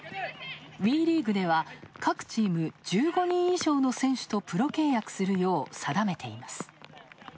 ＷＥリーグでは各チーム１５人以上の選手とプロ契約するよう定めています。